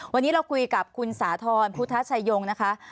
วันนี้เราคุยกับคุณสาธรณ์พุทธชายงนะคะ